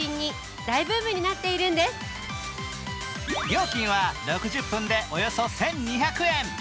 料金は６０分でおよそ１２００円。